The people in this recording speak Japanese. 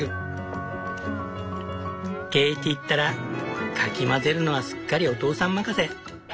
ケイティったらかき混ぜるのはすっかりお父さん任せ。